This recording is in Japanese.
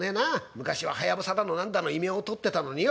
昔は隼だの何だの異名を取ってたのによ。